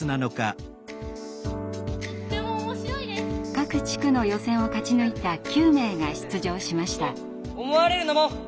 各地区の予選を勝ち抜いた９名が出場しました。